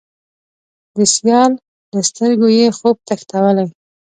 د سیال له سترګو یې، خوب تښتولی